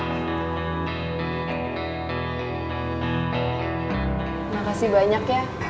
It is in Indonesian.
terima kasih banyak ya